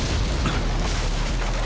あっ。